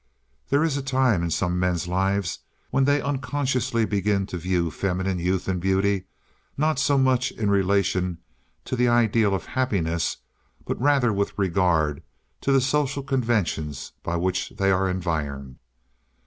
There is a time in some men's lives when they unconsciously begin to view feminine youth and beauty not so much in relation to the ideal of happiness, but rather with regard to the social conventions by which they are environed.